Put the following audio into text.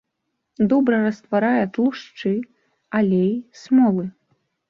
Добра растварае тлушчы, алеі, смолы.